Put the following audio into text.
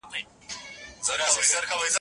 کمپيوټر د ورزش پلان جوړوي.